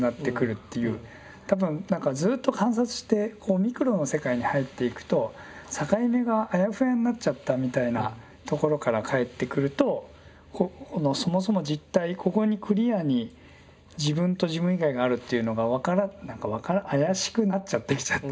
多分何かずっと観察してこうミクロの世界に入っていくと境目があやふやになっちゃったみたいなところからかえってくるとこのそもそも実体ここにクリアに自分と自分以外があるっていうのが何か怪しくなっちゃってきちゃった。